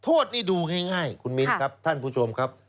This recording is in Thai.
โทษนี่ดูง่ายคุณมิ้นครับท่านผู้ชมครับ